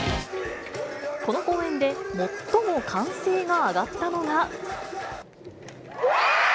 この公演で最も歓声が上がったのが。